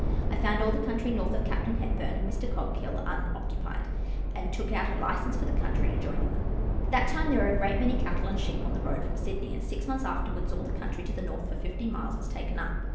I found all the country north of Captain Hepburn and Mr. Coghill unoccupied, and took out a license for the country adjoining them. At that time there were a great many cattle and sheep on the road from Sydney, and six months afterwards all the country to the north for 50 miles was taken up.